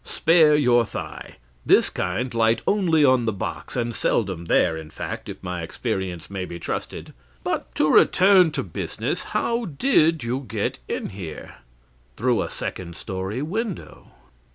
Spare your thigh; this kind light only on the box, and seldom there, in fact, if my experience may be trusted. But to return to business: how did you get in here?' "'Through a second story window.'